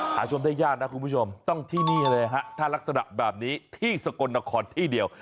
ชมได้ยากนะคุณผู้ชมต้องที่นี่เลยฮะถ้ารักษณะแบบนี้ที่สกลนครที่เดียว